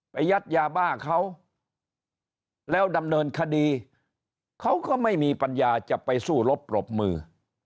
ยัดยาบ้าเขาแล้วดำเนินคดีเขาก็ไม่มีปัญญาจะไปสู้รบปรบมือ